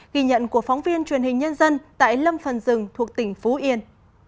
ghi nhận của phóng viên truyền hình nhân dân tại lâm phần rừng thuộc tỉnh phú yên